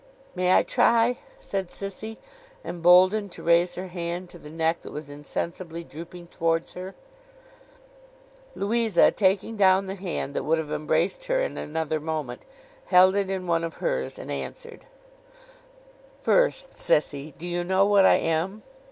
'May I try?' said Sissy, emboldened to raise her hand to the neck that was insensibly drooping towards her. Louisa, taking down the hand that would have embraced her in another moment, held it in one of hers, and answered: 'First, Sissy, do you know what I am?